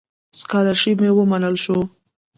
سکالرشیپ مې ومنل شو.